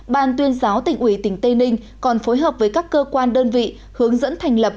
ban tuyên giáo tỉnh ủy tỉnh tây ninh còn phối hợp với các cơ quan đơn vị hướng dẫn thành lập